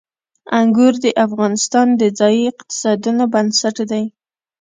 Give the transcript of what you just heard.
انګور د افغانستان د ځایي اقتصادونو بنسټ دی.